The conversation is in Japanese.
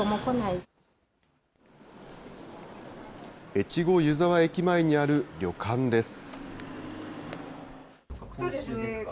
越後湯沢駅前にある旅館です。